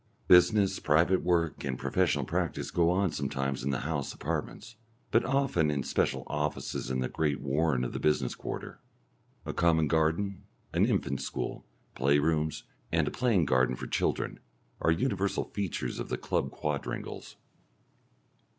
Business, private work, and professional practice go on sometimes in the house apartments, but often in special offices in the great warren of the business quarter. A common garden, an infant school, play rooms, and a playing garden for children, are universal features of the club quadrangles.